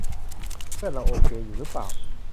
เพื่อนเราโอเคอยู่รึเปล่า